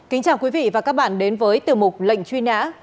kính chào quý vị và các bạn đến với tiểu mục lệnh truy nã